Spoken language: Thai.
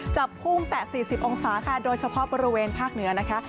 จะพุ่งแต่๔๐องศาค่ะโดยเฉพาะบริเวณภาคเหนือนะคะ